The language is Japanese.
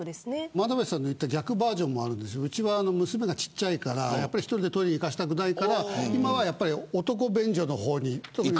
眞鍋さんの言った逆バージョンもあってうちは娘が小さいから１人で行かせたくないから今は男便所の方に行く。